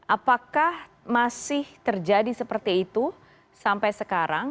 apakah masih terjadi seperti itu sampai sekarang